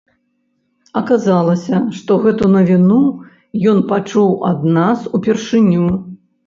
Аказалася, што гэту навіну ён пачуў ад нас упершыню.